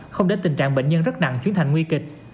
không để tình trạng bệnh nhân rất nặng chuyến thành nguy kịch